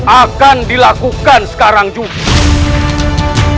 akan dilakukan sekarang juga